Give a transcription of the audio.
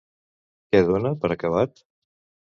Què dona per acabat?